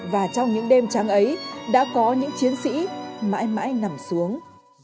và trong những đêm tráng ấy đã có những chiến sĩ mãi mãi nằm xuống